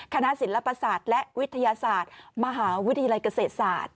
คณะศิลปศาสตร์และวิทยาศาสตร์มหาวิทยาลัยเกษตรศาสตร์